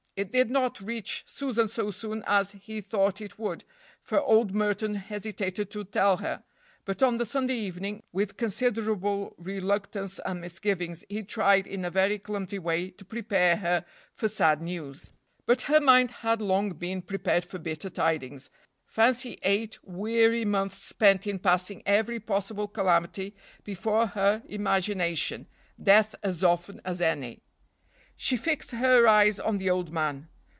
It did not reach Susan so soon as he thought it would, for old Merton hesitated to tell her; but on the Sunday evening, with considerable reluctance and misgivings, he tried in a very clumsy way to prepare her for sad news. But her mind had long been prepared for bitter tidings. Fancy eight weary months spent in passing every possible calamity before her imagination, death as often as any. She fixed her eyes on the old man.